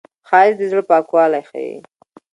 ښایست د زړه پاکوالی ښيي